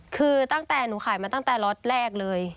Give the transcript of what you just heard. คือตั้งแต่หนูขายมาตั้งแต่ล็อตแรกเลย